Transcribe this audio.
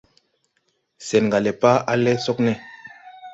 Sɛn gà le pa, alɛ sogne.